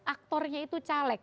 aktornya itu caleg